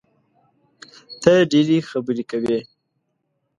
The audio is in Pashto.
ته ډېري خبري کوې!